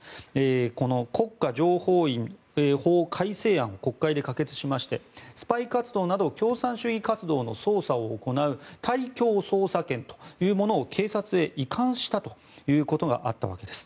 この国家情報院法改正案を国会で可決しましてスパイ活動など共産主義活動の捜査を行う対共捜査権というものを警察へ移管したということがあったわけです。